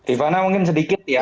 ivana mungkin sedikit ya